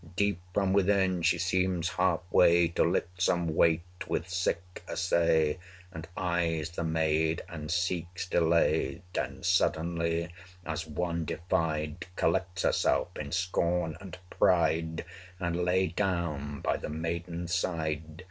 Deep from within she seems half way To lift some weight with sick assay, And eyes the maid and seeks delay; Then suddenly, as one defied, 260 Collects herself in scorn and pride, And lay down by the Maiden's side!